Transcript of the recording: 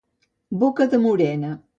Boca de morena.